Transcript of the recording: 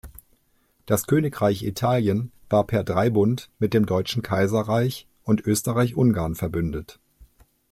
Das Königreich Italien war per Dreibund mit dem Deutschen Kaiserreich und Österreich-Ungarn verbündet.